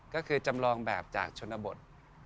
ก็คือจำลองแบบจากชนบท